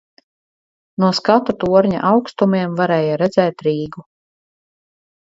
No skatu torņa augstumiem varēja redzēt Rīgu.